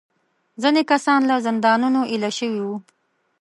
ځینې کسان له زندانونو ایله شوي وو.